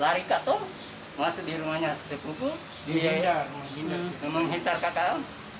lari kata masuk di rumahnya setiap pukul di jahitan menghintar kakak